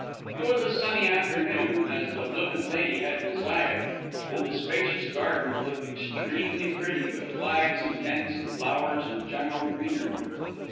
It was a sunny afternoon, as the flippant lady had desired, and the spacious gardens looked extremely pretty with flags and tents and flowers and general greenery.